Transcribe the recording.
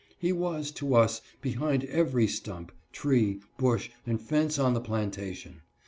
He was, to us, behind every stump, tree, bush, and fence on the plantation.